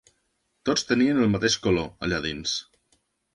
Tots tenien el mateix color, alla dins